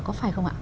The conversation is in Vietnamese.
có phải không ạ